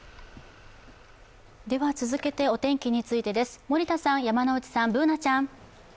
では続けて、お天気についてです森田さん、山内さん、Ｂｏｏｎａちゃん。